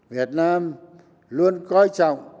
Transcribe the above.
việt nam luôn coi trọng